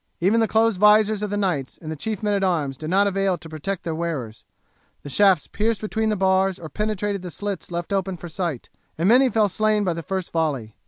Even the closed vizors of the knights and chief men at arms did not avail to protect their wearers; the shafts pierced between the bars or penetrated the slits left open for sight, and many fell slain by the first volley.